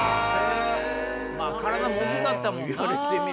体も大きかったもんな。